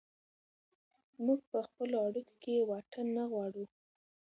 موږ په خپلو اړیکو کې واټن نه غواړو.